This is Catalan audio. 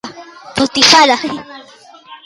Com està anant el dia?